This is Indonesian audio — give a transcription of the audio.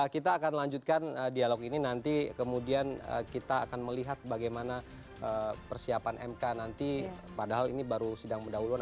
kita akan lanjutkan dialog ini nanti kemudian kita akan melihat bagaimana persiapan mk nanti padahal ini baru sidang mendahuluan